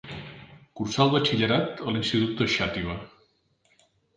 Cursà el batxillerat a l'institut de Xàtiva.